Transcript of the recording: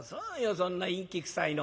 そんな陰気くさいの。